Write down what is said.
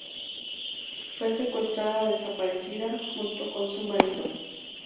Fue secuestrada desaparecida junto con su marido.